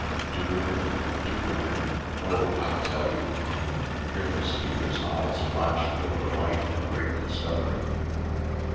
"Do with him? Do with him? Oh! I'll tell you." Here the speaker's eyes flashed with the light of a great discovery.